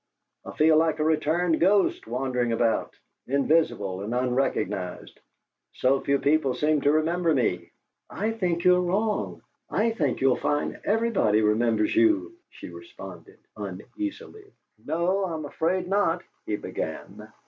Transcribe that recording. "I feel like a returned ghost wandering about invisible and unrecognized. So few people seem to remember me!" "I think you are wrong. I think you'll find everybody remembers you," she responded, uneasily. "No, I'm afraid not," he began.